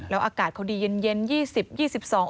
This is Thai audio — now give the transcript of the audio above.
แล้วอากาศเขาดีเย็น